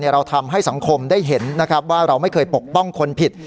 เราทำให้สังคมได้เห็นนะครับว่าเราไม่เคยปกป้องคนผิด